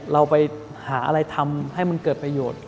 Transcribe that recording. เราไปหาอะไรทำให้มันเกิดประโยชน์